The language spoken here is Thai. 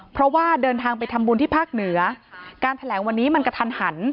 เพราะว่าเดินทางไปทำบุญที่ภาคเหนือการแถลงวันนี้มันกระทันหัน